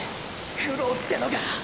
苦労ってのが！！